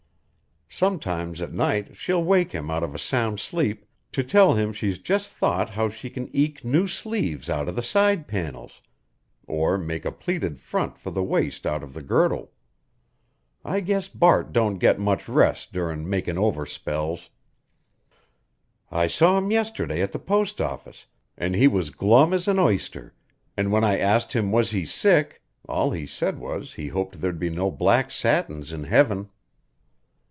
Sometimes at night she'll wake him out of a sound sleep to tell him she's just thought how she can eke new sleeves out of the side panels, or make a pleated front for the waist out of the girdle. I guess Bart don't get much rest durin' makin' over spells. I saw him yesterday at the post office an' he was glum as an oyster; an' when I asked him was he sick all he said was he hoped there'd be no black satins in heaven."